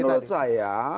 kalau menurut saya